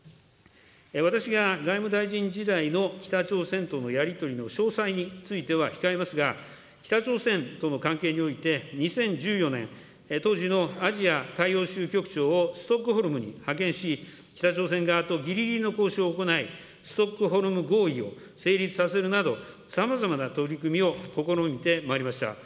私が外務大臣時代の北朝鮮とのやり取りの詳細については控えますが、北朝鮮との関係において、２０１４年、当時のアジア大洋州局長をストックホルムに派遣し、北朝鮮側とぎりぎりの交渉を行い、ストックホルム合意を成立させるなど、さまざまな取り組みを試みてまいりました。